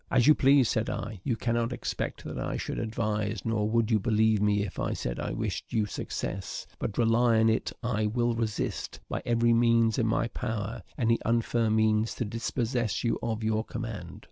"As you please," said I; "you cannot expect that I should advise, nor would you believe me if I said I wished you success; but rely on it I will resist, by every means in my power, any unfair means to dispossess you of your command."